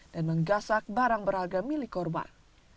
dan menggasak barang beragam milik korban